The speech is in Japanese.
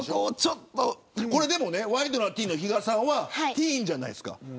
ワイドナティーンの比嘉さんはティーンじゃないですか。